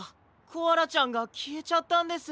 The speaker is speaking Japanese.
コアラちゃんがきえちゃったんです。